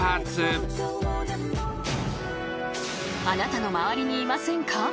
［あなたの周りにいませんか？］